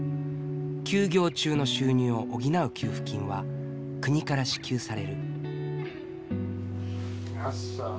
休業中の収入を補う給付金は国から支給される。